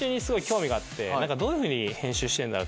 どういうふうに編集してるんだろう。